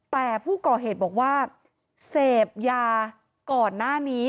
แต่ผู้ก่อเหตุบอกว่าเสพยาก่อนหน้านี้